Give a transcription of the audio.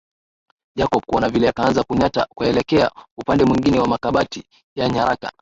Jacob kuona vile akaanza kunyata kuelekea upande mwingine wa makabati ya nyaraka